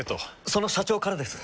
その社長からです。